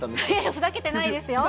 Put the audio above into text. ふざけてないですか、ぴよ